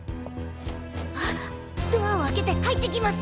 あっドアを開けて入っていきます。